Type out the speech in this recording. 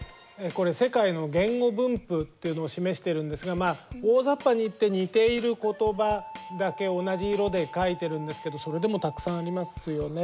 これ世界の言語分布っていうのを示しているんですがまあ大ざっぱに言って似ていることばだけ同じ色で書いてるんですけどそれでもたくさんありますよね。